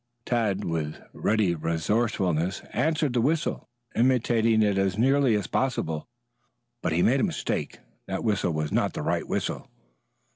Tad with ready resourcefulness answered the whistle, imitating it as nearly as possible. But he made a mistake. That whistle was not the right whistle.